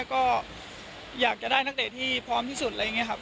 ก็อยากจะได้นักเด็กที่พร้อมที่สุด